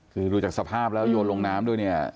คือดูจากสภาพแล้วโยนลงน้ำด้วยเนี่ย